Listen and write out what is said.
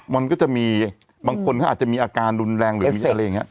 มันก็จะมีบางคนเขาอาจจะมีอาการรุนแรงหรือมีอะไรอย่างนี้